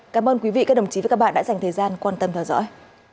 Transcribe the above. cảm ơn quý vị các đồng chí và các bạn đã dành thời gian quan tâm theo dõi